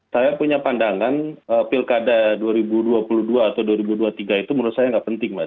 saya punya pandangan pilkada dua ribu dua puluh dua atau dua ribu dua puluh tiga itu menurut saya nggak penting mas